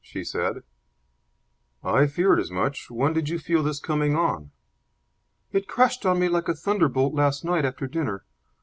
she said. "I feared as much. When did you feel this coming on?" "It crashed on me like a thunderbolt last night after dinner.